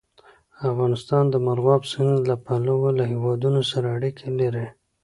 افغانستان د مورغاب سیند له پلوه له هېوادونو سره اړیکې لري.